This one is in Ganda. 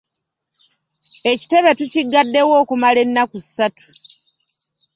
Ekitebe tukiggaddewo okumala ennaku ssatu.